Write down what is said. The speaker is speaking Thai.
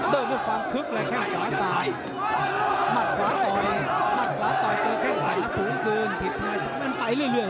มันยังบี้ไม่สุดพอบี้ไม่สุดต้นเพชรไม่เหนื่อย